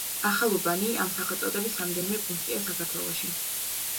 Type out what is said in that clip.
ახალუბანი, ამ სახელწოდების რამდენიმე პუნქტია საქართველოში.